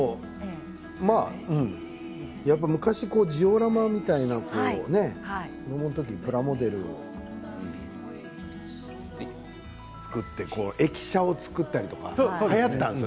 昔、ジオラマみたいな子どもの時、プラモデルで駅舎を作ったりとかはやったんですよね。